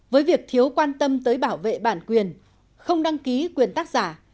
với việc thiếu quan tâm tới bảo vệ bản quyền không đăng ký quyền tác giả